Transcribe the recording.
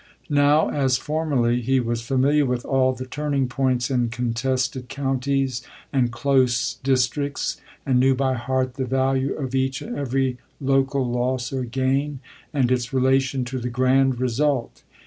Now, as formerly, he was familiar with all the turning points in contested counties and " close " districts, and knew by heart the value of each and every local loss or gain and its relation to the grand result.